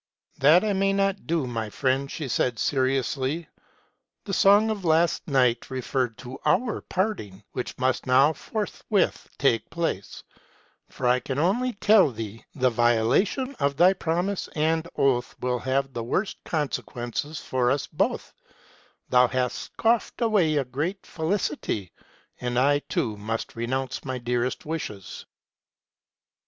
"' That I cannot do, my friend,' said she seriously. ' The song of last night referred to our parting, which must now forthwith take place ; for I can only tell thee, the vio lation of thy promise and oath will have the worst conse quences for us both : thou hast scoffed away a great felicity ; and I, too, must renounce my dearest wishes.'